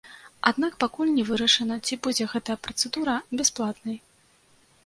Аднак пакуль не вырашана, ці будзе гэтая працэдура бясплатнай.